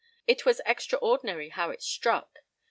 It was extraordinary how it stuck.